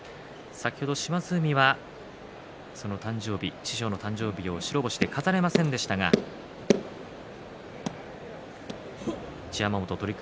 先ほど島津海はその師匠の誕生日を白星で飾れませんでしたが一山本、取組